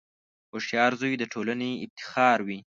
• هوښیار زوی د ټولنې افتخار وي.